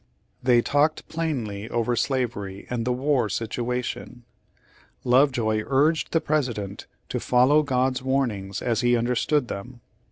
They talked plainly over slavery and the war situation. Love joy urged the President ''to follow God's warnings as he understood them."